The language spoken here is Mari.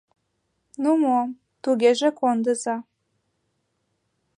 — Ну мо, тугеже кондыза.